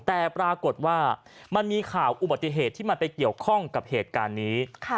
แต่ปรากฏว่ามันมีข่าวอุบัติเหตุที่มันไปเกี่ยวข้องกับเหตุการณ์นี้